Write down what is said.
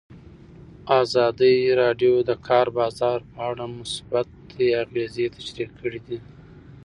ازادي راډیو د د کار بازار په اړه مثبت اغېزې تشریح کړي.